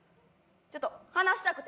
ちょっと話したくて。